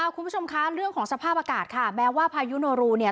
คุณผู้ชมคะเรื่องของสภาพอากาศค่ะแม้ว่าพายุโนรูเนี่ย